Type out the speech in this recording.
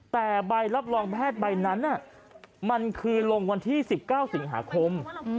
แต่ใบรับรองแพทย์ใบนั้นมันคือลงวันที่๑๙สิงหาคม